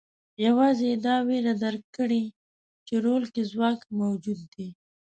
یوازې یې دا وېره درک کړې چې رول کې ځواک موجود دی.